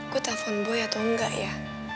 gue telpon boy atau enggak ya